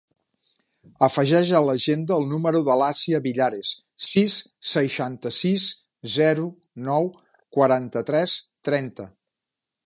Afegeix a l'agenda el número de l'Àsia Villares: sis, seixanta-sis, zero, nou, quaranta-tres, trenta.